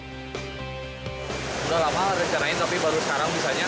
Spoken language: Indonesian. sudah lama harus dicarain tapi baru sekarang bisanya